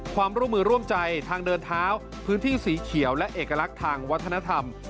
ความร่วมมือร่วมใจทางเดินเท้าพื้นที่สีเขียวและเอกลักษณ์ทางวัฒนธรรม